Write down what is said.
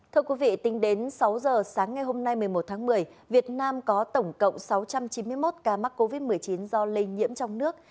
thưa quý vị tính đến sáu giờ sáng ngày hôm nay một mươi một tháng một mươi việt nam có tổng cộng sáu trăm chín mươi một ca mắc covid một mươi chín do lây nhiễm trong nước